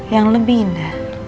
yang lebih indah